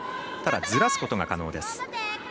ただ、ずらすことが可能です。